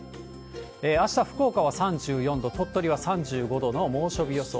あした、福岡は３４度、鳥取は３５度の猛暑日予想。